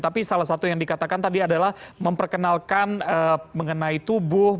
tapi salah satu yang dikatakan tadi adalah memperkenalkan mengenai tubuh